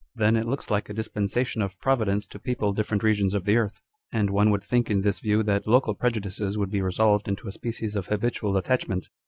Then it looks like a dispensation of Provi dence to people different regions of the earth ; and one would think in this view that local prejudices would be resolved into a species of habitual attachment.